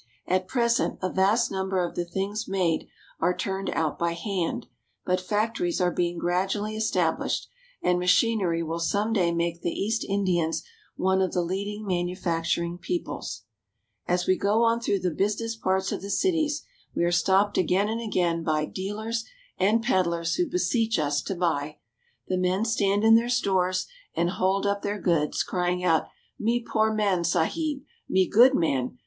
At present a vast number of the things made are turned out by hand ; but factories are being gradually established, and machinery will some day make the East Indians one of the leading manufacturing peoples. As we go on through the business parts of the cities, we THE STORES AND TRADES OF INDIA 273 are stopped again and again by dealers and peddlers who beseech us to buy. The men stand in their stores, and hold up .their goods, crying out :" Me poor man. Sahib ! Me good man!